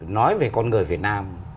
nói về con người việt nam